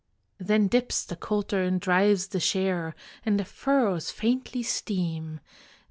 Then dips the coulter and drives the share, And the furrows faintly steam.